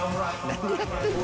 何やってんの？